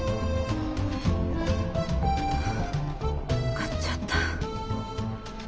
買っちゃった。